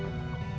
aku mau ke kantor